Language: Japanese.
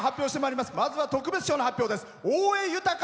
まずは特別賞の発表です。